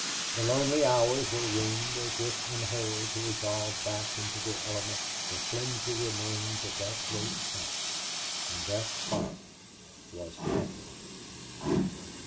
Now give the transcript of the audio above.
The lonely hours were winged, as if in a hurry to resolve back into the elements the flimsy remains of that great camp. And that spot was haunted.